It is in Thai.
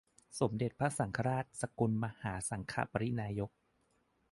สมเด็จพระสังฆราช สกลมหาสังฆปริณายก